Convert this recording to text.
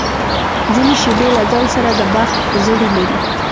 ځینې شېبې له ځان سره د بخت زړي لري.